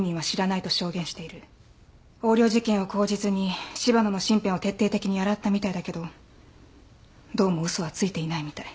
横領事件を口実に柴野の身辺を徹底的に洗ったみたいだけどどうも嘘はついていないみたい。